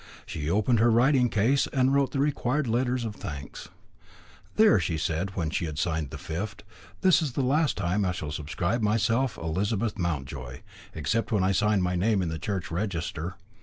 She opened her writing case and wrote the required letters of thanks. "There," said she, when she had signed the fifth. "This is the last time I shall subscribe myself Elizabeth Mountjoy, except when I sign my name in the church register.